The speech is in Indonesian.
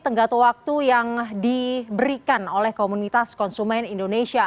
tenggat waktu yang diberikan oleh komunitas konsumen indonesia